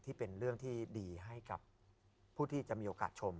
เป็นเรื่องที่ดีให้กับผู้ที่จะมีโอกาสชม